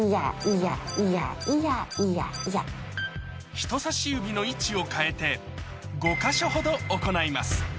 人さし指の位置を変えて５か所ほど行います